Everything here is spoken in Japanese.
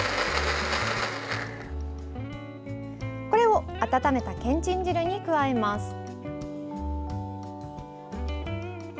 これを温めたけんちん汁に加えます。